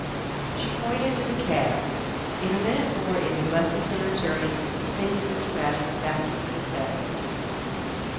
She pointed to the cab. In a minute more it had left the Sanitarium and was taking Mr. Bashwood back to his hotel.